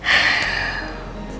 enggak ada yang nge